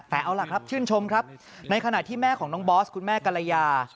แต่เอาล่ะครับชื่นชมครับในขณะที่แม่ของน้องบอสคุณแม่กรยา